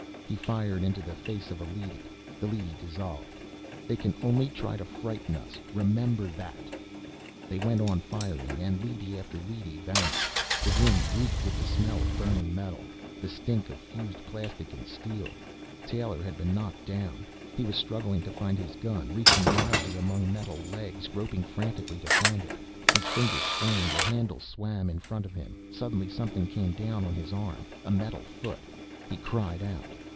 He fired into the face of a leady. The leady dissolved. "They can only try to frighten us. Remember that." They went on firing and leady after leady vanished. The room reeked with the smell of burning metal, the stink of fused plastic and steel. Taylor had been knocked down. He was struggling to find his gun, reaching wildly among metal legs, groping frantically to find it. His fingers strained, a handle swam in front of him. Suddenly something came down on his arm, a metal foot. He cried out.